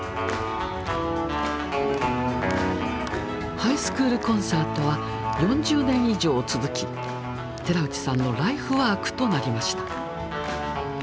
ハイスクールコンサートは４０年以上続き寺内さんのライフワークとなりました。